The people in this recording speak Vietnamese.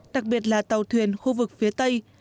đặc biệt là tàu thuyền khu vực phía tây